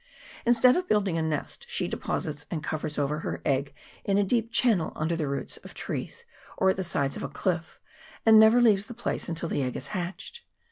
Instead of building a nest, she deposits and covers over her egg in a deep channel under the roots of trees, or at the sides of a cliff, and never leaves the place until the egg is hatched.